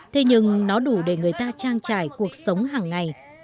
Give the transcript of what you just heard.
thế nhưng nó đủ để người ta trang trải cuộc sống hàng ngày